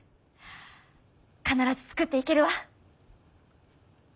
必ず作っていけるわ。